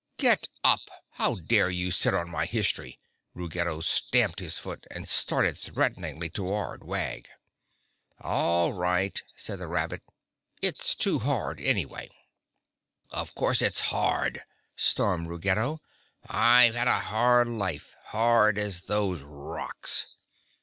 "Get up! How dare you sit on my history?" Ruggedo stamped his foot and started threateningly toward Wag. "All right," said the rabbit, "it's too hard, anyway." "Of course it's hard," stormed Ruggedo. "I've had a hard life; hard as those rocks.